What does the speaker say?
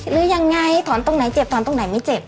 หรือยังไงถอนตรงไหนเจ็บถอนตรงไหนไม่เจ็บ